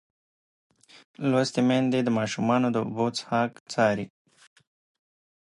لوستې میندې د ماشومانو د اوبو څښاک څاري.